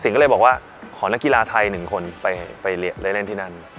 ก็เลยบอกว่าขอนักกีฬาไทย๑คนไปเล่นที่นั่น